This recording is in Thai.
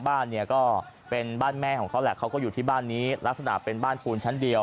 บ้านเนี่ยก็เป็นบ้านแม่ของเขาแหละเขาก็อยู่ที่บ้านนี้ลักษณะเป็นบ้านปูนชั้นเดียว